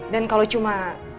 dan kalau cuma